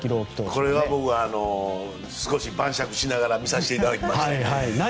これは僕少し晩酌しながら見させていただきました。